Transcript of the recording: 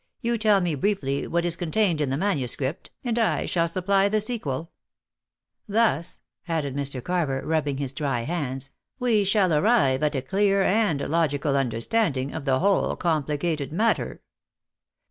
You tell me briefly what is contained in the manuscript, and I shall supply the sequel. Thus," added Mr. Carver, rubbing his dry hands, "we shall arrive at a clear and logical understanding of the whole complicated matter."